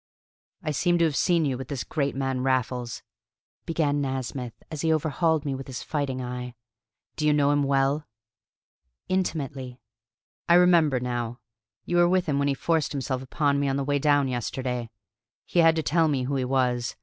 "I seem to have seen you with this great man Raffles," began Nasmyth, as he overhauled me with his fighting eye. "Do you know him well?" "Intimately." "I remember now. You were with him when he forced himself upon me on the way down yesterday. He had to tell me who he was.